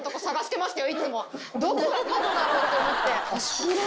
どこが角だろう？って思って。